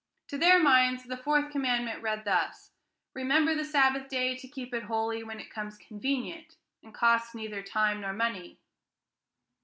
To their minds the fourth command read thus: "Remember the Sabbath day to keep it holy when it comes convenient, and costs neither time nor money."